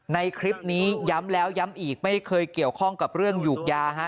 ในคลิปนี้ย้ำแล้วย้ำอีกไม่เคยเกี่ยวข้องกับเรื่องหยูกยาฮะ